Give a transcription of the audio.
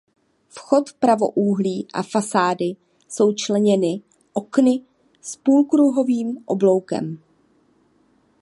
Vchod pravoúhlý a fasády jsou členěny okny s půlkruhovým obloukem.